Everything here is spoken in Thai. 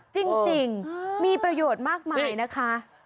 จริงมีประโยชน์มากมายนะคะ